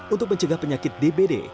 untuk mencegah penyakit dbd